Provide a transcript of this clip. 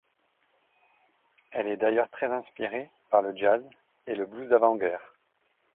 Elle est d'ailleurs très inspirée par le jazz et le blues d'avant-guerre.